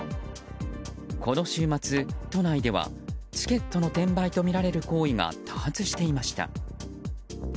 この週末、都内ではチケットの転売とみられる行為が多発していました。